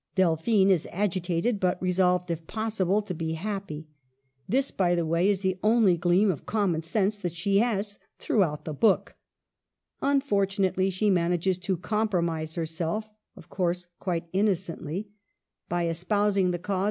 Delphine is agitated, but resolved, if possible, to be happy. This, by the way, is the only gleam of common sense that she has throughout the book. Unfor tunately, she manages to compromise herself (of course quite innocently) by espousing the cause Digitized by VjOOQLC 222 MADAME DE STAEL.